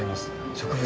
植物